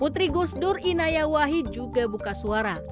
putri gusdur inaya wahid juga buka suara